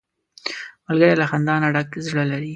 ملګری له خندا نه ډک زړه لري